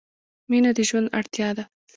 • مینه د ژوند اړتیا ده.